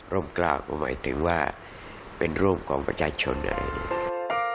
กล่าวก็หมายถึงว่าเป็นร่มของประชาชนอะไรเลย